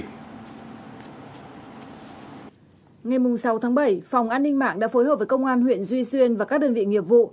ngày sáu tháng bảy phòng an ninh mạng đã phối hợp với công an huyện duy xuyên và các đơn vị nghiệp vụ